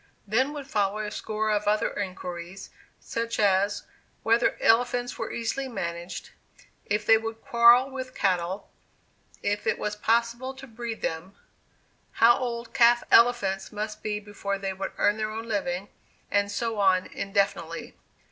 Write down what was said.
Then would follow a score of other inquiries, such as, whether elephants were easily managed; if they would quarrel with cattle; if it was possible to breed them; how old calf elephants must be before they would earn their own living; and so on indefinitely.